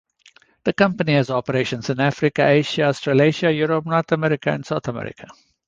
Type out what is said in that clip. The company has operations in Africa, Asia, Australasia, Europe, North America and South America.